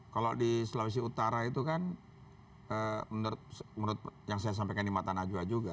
kalau di sulawesi utara itu kan menurut yang saya sampaikan di mata najwa juga